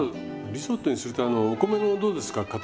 リゾットにするとお米のどうですか？